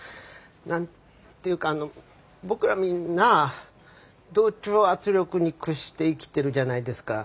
何ていうかあの僕らみんな同調圧力に屈して生きているじゃないですか。